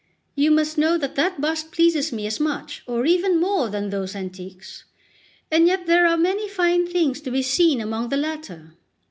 You must know that that bust pleases me as much, or even more, than those antiques; and yet there are many fine things to be seen among the latter.